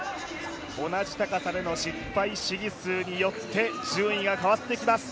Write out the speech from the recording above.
同じ高さでの失敗試技数によって順位が変わってきます。